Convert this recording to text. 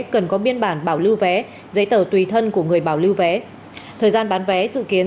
cần có biên bản bảo lưu vé giấy tờ tùy thân của người bảo lưu vé thời gian bán vé dự kiến